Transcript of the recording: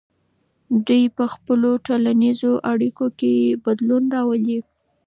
دوی په خپلو ټولنیزو اړیکو کې بدلون راولي.